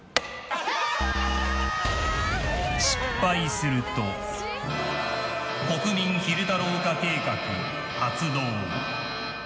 失敗すると国民昼太郎化計画、発動。